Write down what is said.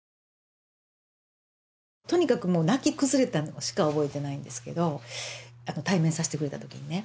とにかくもう泣き崩れたのしか覚えてないんですけど対面させてくれた時にね。